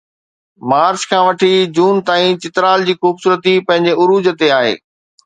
march کان وٺي June تائين چترال جي خوبصورتي پنهنجي عروج تي آهي